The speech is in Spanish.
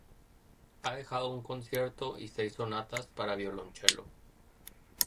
Ha dejado un concierto y seis sonatas para violonchelo.